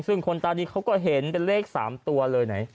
ซึ่งคนตาดีเขาก็เห็นเป็นเลข๓ตัวเลยไหน